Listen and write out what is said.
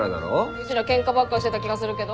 うちらケンカばっかしてた気がするけど？